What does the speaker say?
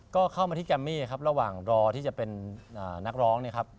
ก็เข้ามาที่แกมมี่ครับระหว่างรอที่จะเป็นนักร้องเนี่ยครับ